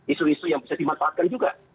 isu isu yang bisa dimanfaatkan juga